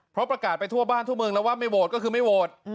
เพราะประกาศไปทั่วบ้านทั่วเมืองแล้วว่าไม่โหวตก็คือไม่โหวต